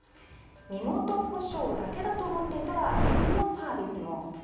身元保証だけだと思っていたら別のサービスも。